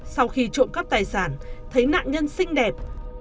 sau khi trộm cắp tài sản thấy nạn nhân xinh đẹp